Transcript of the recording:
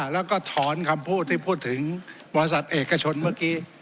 แล้วก็ถอนคำพูดที่พูดถึงบริษัทเอกชนเมื่อกี้